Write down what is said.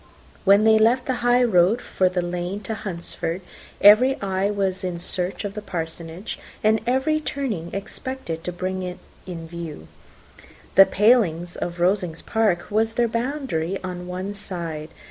When they left the high road for the lane to Hunsford, every eye was in search of the Parsonage, and every turning expected to bring it in view. The paling of Rosings park was their boundary on one side.